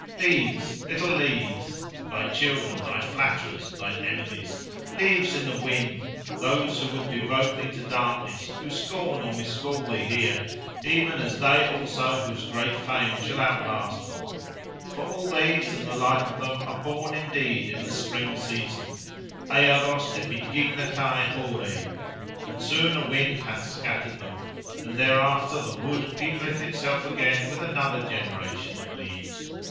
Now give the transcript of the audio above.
+ Leaves! little leaves!—thy children, thy flatterers, thine enemies! Leaves in the wind, those who would devote thee to darkness, who scorn or miscall thee here, even as they also whose great fame shall outlast them. For all these, and the like of them, are born indeed in the spring season—Earos epigignetai hôrê+: and soon a wind hath scattered them, and thereafter the wood peopleth itself again with another generation of leaves.